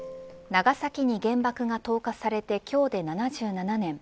長崎に原爆が投下されて今日で７７年。